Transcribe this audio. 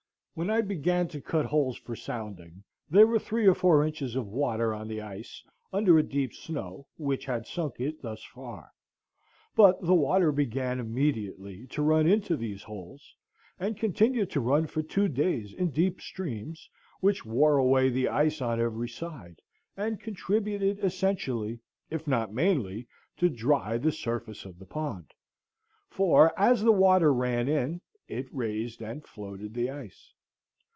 When I began to cut holes for sounding, there were three or four inches of water on the ice under a deep snow which had sunk it thus far; but the water began immediately to run into these holes, and continued to run for two days in deep streams, which wore away the ice on every side, and contributed essentially, if not mainly, to dry the surface of the pond; for, as the water ran in, it raised and floated the ice.